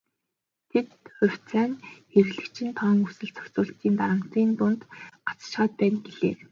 Тэд "хувьцаа нь хэрэглэгчдийн тоон өсөлт ба зохицуулалтын дарамтын дунд гацчихаад байна" гэлээ.